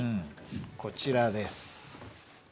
こちらです。